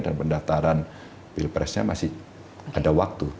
dan pendaftaran pilpresnya masih ada waktu